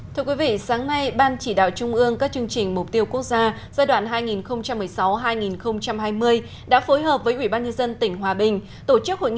thưa quý vị sáng nay ban chỉ đạo trung ương các chương trình mục tiêu quốc gia giai đoạn hai nghìn một mươi sáu hai nghìn hai mươi đã phối hợp với ubnd tỉnh hòa bình